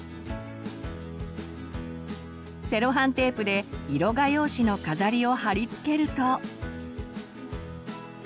セロハンテープで色画用紙の飾りを貼り付けると。